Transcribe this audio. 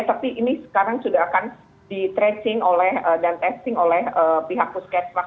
tapi ini sekarang sudah akan di tracing dan testing oleh pihak puskesmas